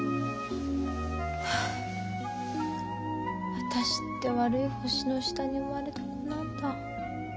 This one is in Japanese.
私って悪い星の下に生まれた子なんだ。